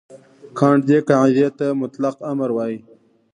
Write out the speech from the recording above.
کانټ دې قاعدې ته مطلق امر وايي.